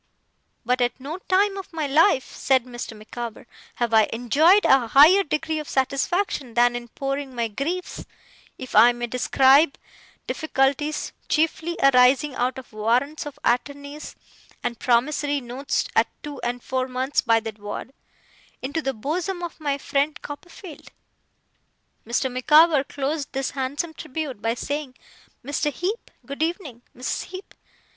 But at no time of my life,' said Mr. Micawber, 'have I enjoyed a higher degree of satisfaction than in pouring my griefs (if I may describe difficulties, chiefly arising out of warrants of attorney and promissory notes at two and four months, by that word) into the bosom of my friend Copperfield.' Mr. Micawber closed this handsome tribute by saying, 'Mr. Heep! Good evening. Mrs. Heep!